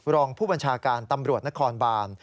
รองผู้บัญชาการตำรวจนครบาน